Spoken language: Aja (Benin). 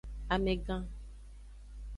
Amegan.